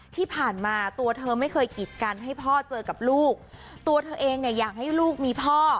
ที่ผ่านมาตัวเธอไม่เคยกิดกันให้พ่อเจอกับลูกตัวเธอเองเนี่ยอยากให้ลูกมีพ่อ